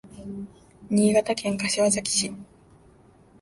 新潟県柏崎市